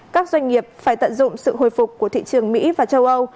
các doanh nghiệp phải tận dụng sự hồi phục của thị trường mỹ và châu âu